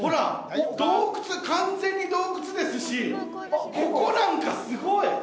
完全に洞窟ですしここなんか、すごい。